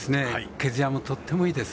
毛づやも、とってもいいです。